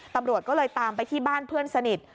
ตำรวจก็เลยตามไปที่บ้านเพื่อนสนิท